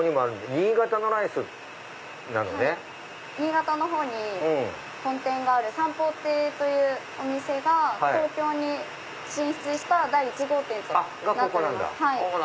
新潟のほうに本店がある三宝亭というお店が東京に進出した第１号店となっております。